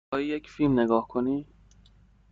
می خواهی یک فیلم نگاه کنی؟